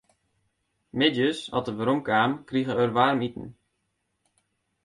Middeis as er werom kaam, krige er waarmiten.